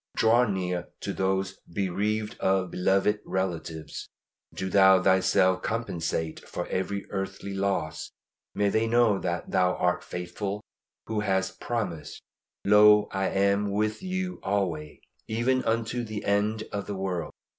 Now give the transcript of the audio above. Draw near to those bereaved of beloved relatives. Do Thou Thyself compensate for every earthly loss. May they know that Thou art faithful who hast promised, "Lo, I am with you alway, even unto the end of the world."